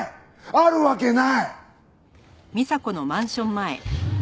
あるわけない！